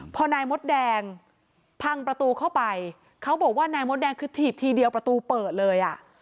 พอนายมดแดงพังประตูเข้าไปเขาบอกว่านายมดแดงคือถีบทีเดียวประตูเปิดเลยอ่ะ